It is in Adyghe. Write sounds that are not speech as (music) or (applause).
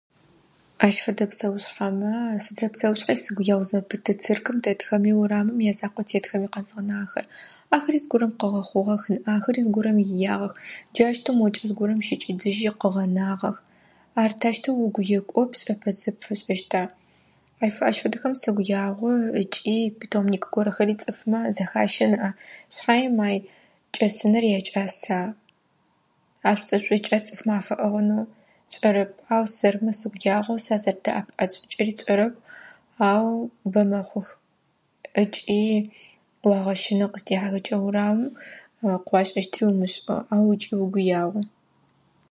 Ащ фэдэ псэушъхьэмэ сыдрэ псэушъхьи сыгу егъу зэпыты. Циркым дэтхэми урамым язакъоу тетхэуи къэзгъэнагъэхэр. Ахэри зыгорэм къыгъэхъугъэх нэӏа, ахэри зыгорэм иягъэх. Джащтэу мокӏэ зыгорэм щыкӏыдзижьи къыгъэнагъэх. Ар тащтэу угу екӏоу пшӏэ пэтзэ пфэшӏэщта? Аф ай ащ фэдэхэм сыгу ягъу ыкӏи питомник горэхэри цӏыфмэ зэхащэ нэӏа. Шъхьаем ай кӏэсыныр якӏаса? Ашӏузэшӏокӏа цӏыфмэ афэӏыгъынэу? Шӏэрэп, ау сэрмэ сыгу ягъу, сазэрэдэӏапыӏащт шӏыкӏэри шӏэрэр, ау бэ мэхъух. Ыкӏи уагъэщынэ къызтехьахэкӏэ урамым (hesitation) къыуашӏэщтри умышӏэу, ау ыкӏи угу ягъу.